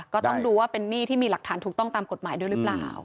ก็ต้องดูว่าเป็นหนี้ที่มีหลักฐานถูกต้องตามกฎหมายด้วยหรือเปล่า